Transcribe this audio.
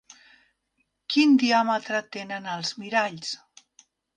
Quin diàmetre tenen els miralls?